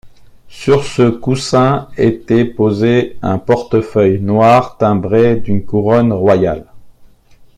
Sur ce coussin était posé un portefeuille noir timbré d’une couronne royale.